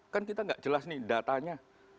kan kita nggak jelas nih datanya